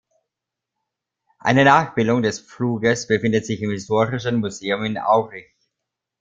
Eine Nachbildung des Pfluges befindet sich im Historischen Museum in Aurich.